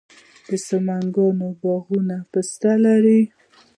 د سمنګان باغونه پسته لري.